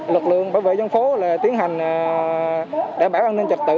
lực lượng bảo vệ dân phố là tiến hành đảm bảo an ninh trật tự